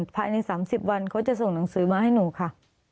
ภายใน๓๐วันเขาจะส่งหนังสือมาให้หนูค่ะ